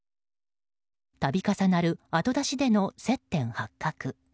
度重なる後出しでの接点発覚。